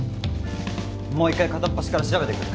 もう一回片っ端から調べてくる。